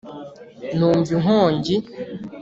numva inkongi